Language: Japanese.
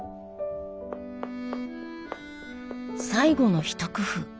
最後の一工夫。